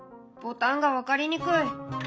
「ボタンが分かりにくい！」。